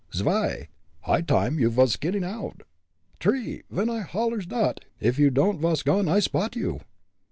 Swi! High time you vas skinnin' oud! Three! Ven I hollers dot, if you don'd vas gone I spot you!"